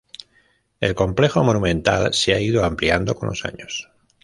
El complejo monumental se ha ido ampliando con los años.